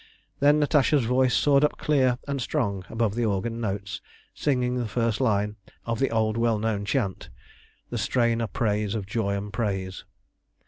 Then Natasha's voice soared up clear and strong above the organ notes, singing the first line of the old well known chant The strain upraise of joy and praise.